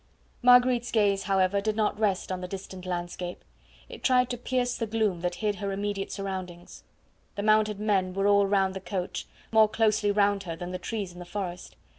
Marguerite's gaze, however, did not rest on the distant landscape it tried to pierce the gloom that hid her immediate surroundings; the mounted men were all round the coach more closely round her than the trees in the forest.